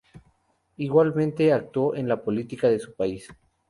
Igualmente, actuó en la política de su país.